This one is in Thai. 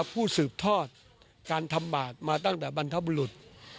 สืบทอดการทำบาทมาตั้งแต่บรรพบุรุษ